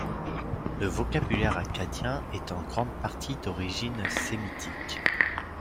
Le vocabulaire akkadien est en grande partie d'origine sémitique.